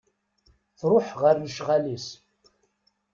Truḥ ɣer lecɣal-is.